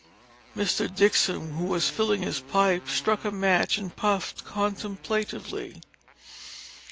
Mr. Dixon, who was filling his pipe, struck a match and puffed contemplatively.